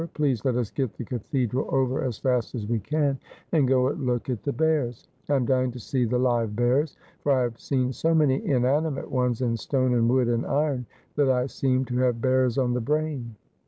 Please let us get the cathedral over as fast as we can, and go and look at the bears. I am dying to see the live bears ; for I have seen so many inanimate ones in stone, and wood, and iron, that I seem to have bears on the brain.'